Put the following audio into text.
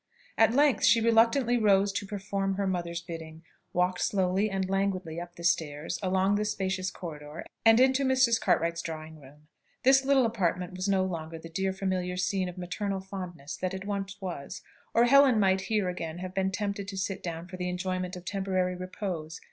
At length she reluctantly rose to perform her mother's bidding, walked slowly and languidly up the stairs, along the spacious corridor, and into Mrs. Cartwright's dressing room. This little apartment was no longer the dear familiar scene of maternal fondness that it once was, or Helen might here again have been tempted to sit down for the enjoyment of temporary repose.